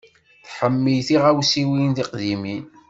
Tḥemmel tiɣawsiwin tiqdimin.